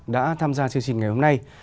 đã tham gia chương trình ngày hôm nay